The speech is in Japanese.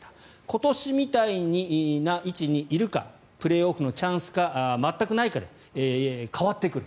今年みたいな位置にいるかプレーオフのチャンスが全くないかで変わってくる。